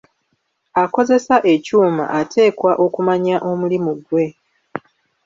Akozesa ekyuma ateekwa okumanya omulimo gwe.